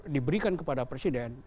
diberikan kepada presiden